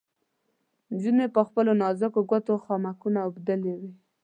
نجونو په خپلو نازکو ګوتو خامکونه اوبدلې وې.